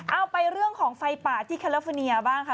เอาไปเรื่องของไฟป่าที่แคลฟอร์เนียบ้างค่ะ